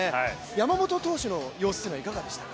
山本投手の様子はいかがでしたか？